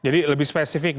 jadi lebih spesifik